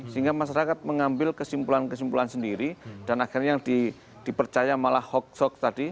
sehingga masyarakat mengambil kesimpulan kesimpulan sendiri dan akhirnya yang dipercaya malah hoax hoax tadi